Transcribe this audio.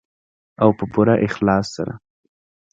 او په پوره اخلاص سره.